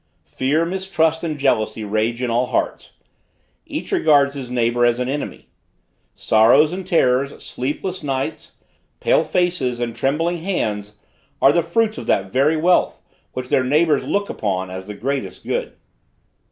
Fear, mistrust and jealousy rage in all hearts: each regards his neighbor as an enemy. Sorrows and terrors, sleepless nights, pale faces and trembling hands are the fruits of that very wealth, which their neighbors look upon as the greatest good.